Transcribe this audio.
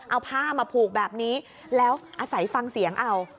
เอาผ้ามาผูกแบบนี้แล้วอาศัยฟังเสียงเอา